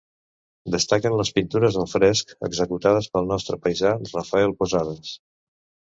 Destaquen les pintures al fresc executades pel nostre paisà Rafael Posades.